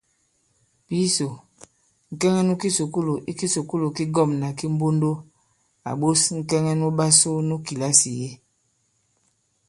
Pǐsò, ŋ̀kɛŋɛ nu kisùkulù i kisùkulù ki ŋgɔ̂mnà ki Mbondo à ɓos ŋ̀kɛŋɛ nuɓasu nu kìlasì yě.